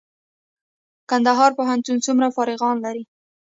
کندهار پوهنتون څومره فارغان لري؟